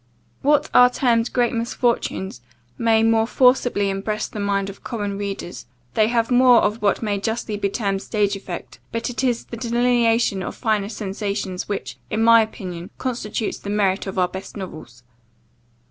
What are termed great misfortunes, may more forcibly impress the mind of common readers; they have more of what may justly be termed stage effect; but it is the delineation of finer sensations, which, in my opinion, constitutes the merit of our best novels.